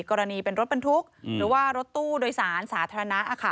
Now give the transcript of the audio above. กรณีเป็นรถบรรทุกหรือว่ารถตู้โดยสารสาธารณะค่ะ